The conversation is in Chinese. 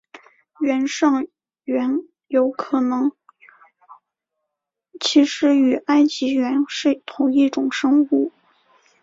原上猿有可能其实与埃及猿是同一种生物。